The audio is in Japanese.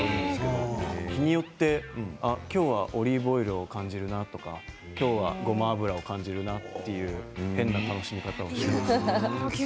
日によって今日はオリーブオイルを感じるなとか今日はごま油を感じるなとか変な楽しみ方をしています。